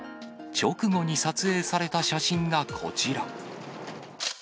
直後に撮影された写真がこちら。